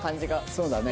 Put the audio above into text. そうだね。